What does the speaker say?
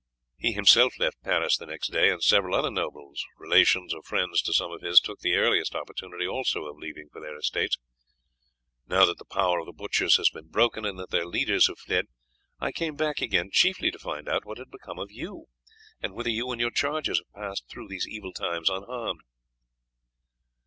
He himself left Paris the next day, and several other nobles, relations or friends to some of us, took the earliest opportunity also of leaving for their estates. Now that the power of the butchers has been broken and that their leaders have fled, I came back again, chiefly to find out what had become of you, and whether you and your charges have passed through these evil times unharmed."